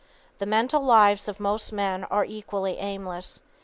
The mental lives of most men are equally aimless.